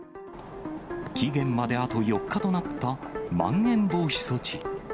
期限まであと４日となったまん延防止措置。